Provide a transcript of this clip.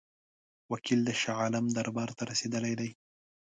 وکیل د شاه عالم دربار ته رسېدلی دی.